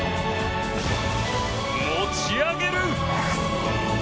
持ち上げる！